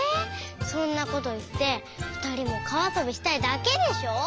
そんなこといってふたりも川あそびしたいだけでしょう？